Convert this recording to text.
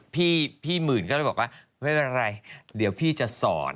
พี่หมื่นก็เลยบอกว่าไม่เป็นไรเดี๋ยวพี่จะสอน